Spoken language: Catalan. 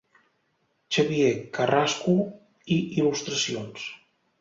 Xavier Carrasco i il·lustracions: